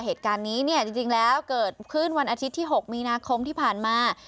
เหตุการณ์นี้เนี่ยจริงแล้วเกิดขึ้นวันอาทิตย์ที่๖มีนาคมที่ผ่านมา